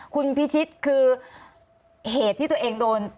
คุณพิชิตคือเหตุที่ตัวเองโดน